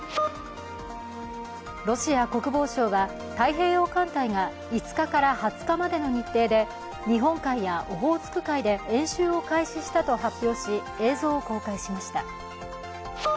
ロシア国防省は、太平洋艦隊が５日から２０日までの日程で日本海やホオーツク海で演習を開始したと発表し映像を公開しました。